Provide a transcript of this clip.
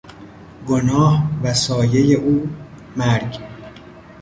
گناه و سایهی او: مرگ